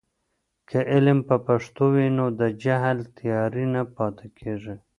که علم په پښتو وي، نو د جهل تیارې نه پاتې کېږي.